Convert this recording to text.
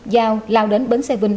giao lao đến bến xe vinh